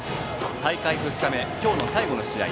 大会２日目、今日の最後の試合